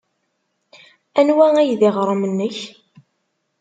Anwa ay d iɣrem-nnek?